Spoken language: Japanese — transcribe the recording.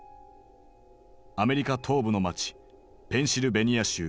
アメリカ東部の街ペンシルベニア州